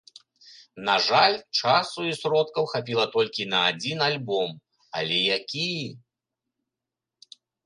На жаль, часу і сродкаў хапіла толькі на адзін альбом, але які!